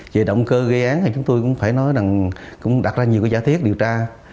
về động cơ gây án thì chúng tôi cũng phải nói rằng cũng đặt ra nhiều giả thiết điều tra